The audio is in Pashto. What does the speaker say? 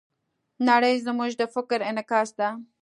نړۍ زموږ د فکر انعکاس ده.